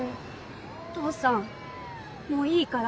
お父さんもういいから。